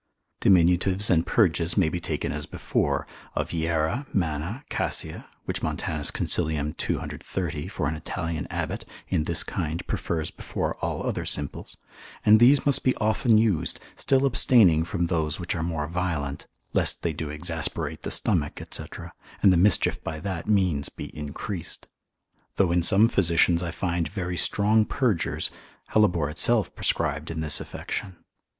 Diminutives and purges may be taken as before, of hiera, manna, cassia, which Montanus consil. 230. for an Italian abbot, in this kind prefers before all other simples, And these must be often used, still abstaining from those which are more violent, lest they do exasperate the stomach, &c., and the mischief by that means be increased. Though in some physicians I find very strong purgers, hellebore itself prescribed in this affection.